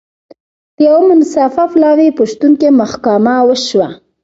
د یوه منصفه پلاوي په شتون کې محاکمه وشوه.